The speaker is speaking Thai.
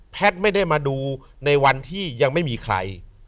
ไม่ได้มาดูในวันที่ยังไม่มีใคร